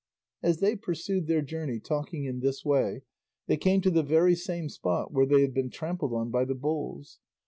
As they pursued their journey talking in this way they came to the very same spot where they had been trampled on by the bulls.